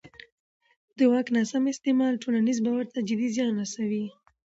د واک ناسم استعمال ټولنیز باور ته جدي زیان رسوي